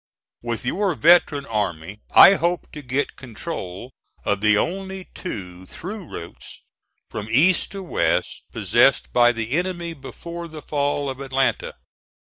With your veteran army I hope to get control of the only two through routes from east to west possessed by the enemy before the fall of Atlanta.